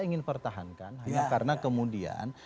ingin pertahankan karena kemudian